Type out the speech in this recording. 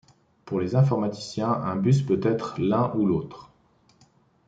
Pour les informaticiens, un bus peut être l'un ou l'autre.